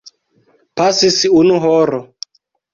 Pasis unu horo.